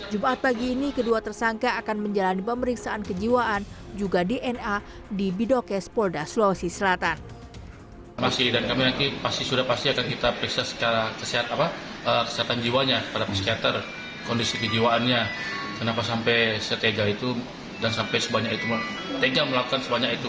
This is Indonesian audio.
jumat pagi ini kedua tersangka akan menjalani pemeriksaan kejiwaan juga dna di bidokes polda sulawesi selatan